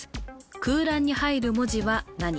空欄に入る文字は何？